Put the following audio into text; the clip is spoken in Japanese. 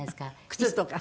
靴とか？